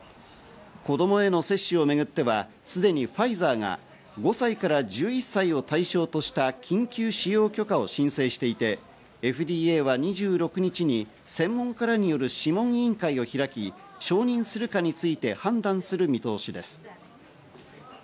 子供への接種をめぐってはすでにファイザーが５歳から１１歳を対象とした緊急使用許可を申請していて、ＦＤＡは２６日に専門家らによる諮問委員会を開き、承認するかについて判断する見通しです。